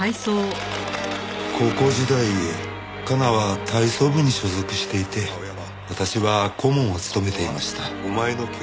高校時代加奈は体操部に所属していて私は顧問を務めていました。